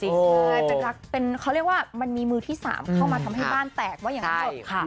ใช่เป็นรักเป็นเขาเรียกว่ามันมีมือที่สามเข้ามาทำให้บ้านแตกว่าอย่างนั้น